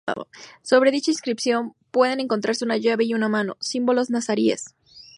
Sobre dicha inscripción pueden encontrarse una llave y una mano, símbolos nazaríes.